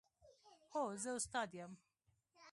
هو، زه استاد یم